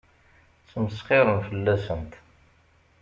Ttmesxiṛen fell-asent.